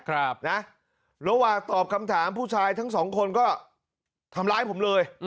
ครับนะระหว่างตอบคำถามผู้ชายทั้งสองคนก็ทำร้ายผมเลย